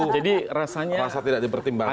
masa tidak dipertimbangkan